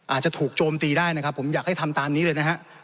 อาจจะถูกโจมตีได้นะครับผมอยากให้ทำตามนี้เลยนะฮะ